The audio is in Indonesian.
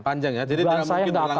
panjang ya jadi tidak mungkin berlangsung